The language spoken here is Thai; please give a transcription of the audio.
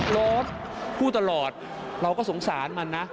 รถพูดตลอดเราก็สงสารมันนะ